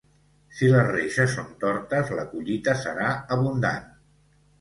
Si les reixes són tortes la collita serà abundant.